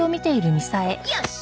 よし！